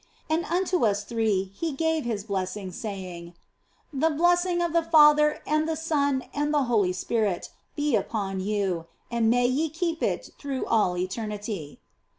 And unto us three He gave His blessing, saying " The blessing of the Father and the Son and the Holy Spirit be upon you, and may ye keep it through all eternity."